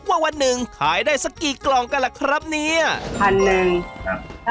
วันหนึ่งขายได้สักกี่กล่องกันล่ะครับเนี้ยพันหนึ่งครับ